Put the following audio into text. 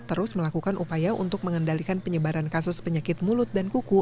terus melakukan upaya untuk mengendalikan penyebaran kasus penyakit mulut dan kuku